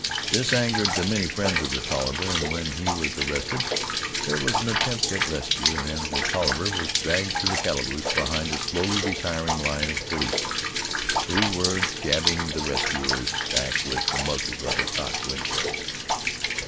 This angered the many friends of the Tolliver, and when he was arrested there was an attempt at rescue, and the Tolliver was dragged to the calaboose behind a slowly retiring line of policemen, who were jabbing the rescuers back with the muzzles of cocked Winchesters.